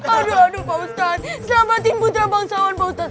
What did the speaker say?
aduh aduh pak ustadz selamat punjabangsawan pak ustadz